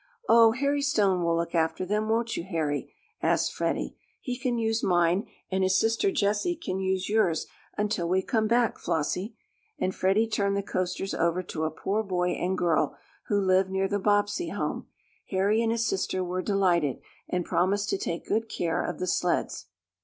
"Oh, Harry Stone will look after them; won't you Harry?" asked Freddie, "He can use mine, and his sister Jessie can use yours until we come back, Flossie," and Freddie turned the coasters over to a poor boy and girl who lived near the Bobbsey home. Harry and his sister were delighted, and promised to take good care of the sleds.